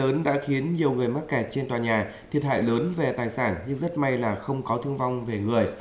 mưa lớn đã khiến nhiều người mắc kẹt trên tòa nhà thiệt hại lớn về tài sản nhưng rất may là không có thương vong về người